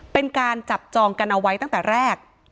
เป็นการจับจองกันเอาไว้ตั้งแต่แรก